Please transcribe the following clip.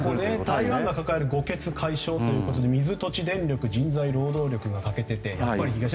台湾が抱える５欠解消ということで水、土地、電力、人材、労働力が欠けていて。